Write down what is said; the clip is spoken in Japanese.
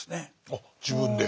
あっ自分で？